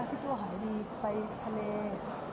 พี่คิดว่าเข้างานทุกครั้งอยู่หรือเปล่า